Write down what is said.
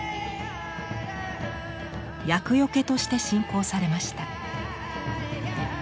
厄よけとして信仰されました。